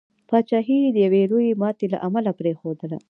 پاچهي یې د یوي لويي ماتي له امله پرېښودله.